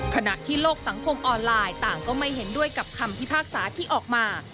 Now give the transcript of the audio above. ขณะที่โลกสังคมออนไลน์ต่างก็ไม่เห็นด้วยกับคำพิพากษาที่ออกมา